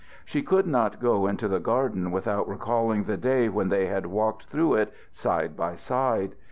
She could not go into the garden without recalling the day when they had walked through it side by side.